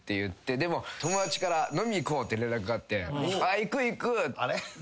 でも友達から「飲み行こう」って連絡があって「行く行く！」って言って。